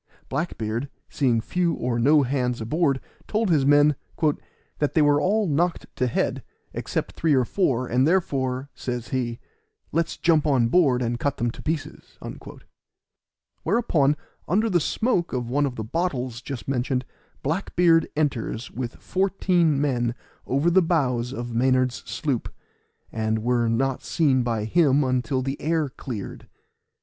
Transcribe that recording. Black beard, seeing few or no hands aboard, told his men "that they were all knocked to head, except three or four; and therefore," says he, "let's jump on board and cut them to pieces." Whereupon, under the smoke of one of the bottles just mentioned, Black beard enters with fourteen men over the bows of Maynard's sloop, and were not seen by him until the air cleared.